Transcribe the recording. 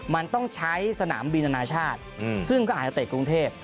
มันต้องใช้สนามบินอนาชาติซึ่งก็อาจจะเตะกรุงเทพ